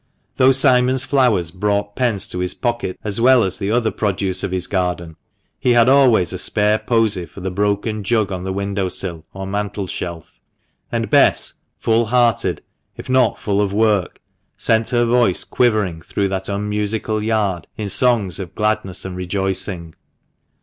Though Simon's flowers brought pence to his pocket as well as the other produce of his garden, he had always a spare posy for the broken jug on window sill or mantel shelf; and Bess, full hearted, if not full of work, sent her voice quivering through that unmusical yard in songs of gladness and rejoicing.